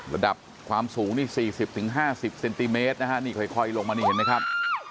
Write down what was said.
ระดับความสูงนี่๔๐๕๐เซนติเมตรนะฮะนี่ค่อยลงมานี่เห็นไหมครับ